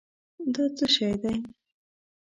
دا څه شی دی؟